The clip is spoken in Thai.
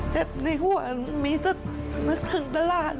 แบบไม่ห่วงมีสักนึกถึงตลาด